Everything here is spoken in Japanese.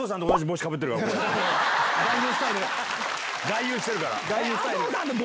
外遊してるから。